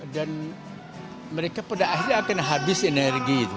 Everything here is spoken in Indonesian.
dan mereka pada akhirnya akan habis energi itu